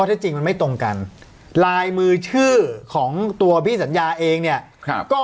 ถ้าจริงมันไม่ตรงกันลายมือชื่อของตัวพี่สัญญาเองเนี่ยครับก็